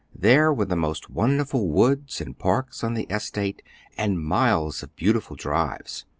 There were the most wonderful woods and parks on the estate, and miles of beautiful drives.